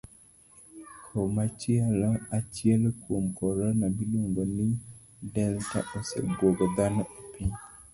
Koma chielo, achiel kuom korona miluong'o ni delta, osebuogo dhano e piny.